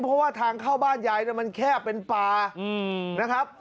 เพราะว่าทางเข้าบ้านยายเนี่ยมันแค่เป็นปลาอืมนะครับ